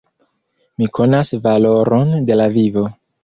Mi konas valoron de la vivo!